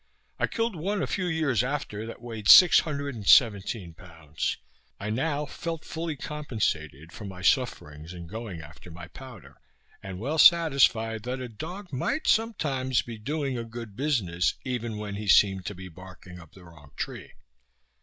I killed one, a few years after, that weighed six hundred and seventeen pounds. I now felt fully compensated for my sufferings in going after my powder; and well satisfied that a dog might sometimes be doing a good business, even when he seemed to be barking up the wrong tree.